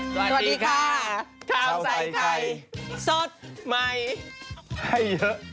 สวัสดีค่ะข้าวใส่ไข่สดใหม่ให้เยอะ